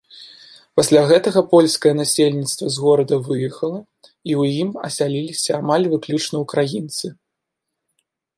Пасля гэтага польскае насельніцтва з горада выехала, і ў ім асяліліся амаль выключна ўкраінцы.